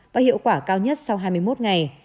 và hiệu quả cao nhất sau hai mươi một ngày